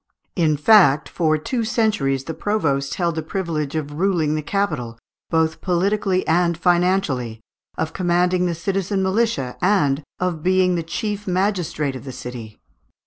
In fact, for two centuries the provost held the privilege of ruling the capital, both politically and financially, of commanding the citizen militia, and of being chief magistrate of the city.